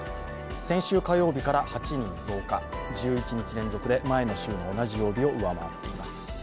先週火曜日から８人増加、１１日連続で前の週の同じ曜日を上回っています。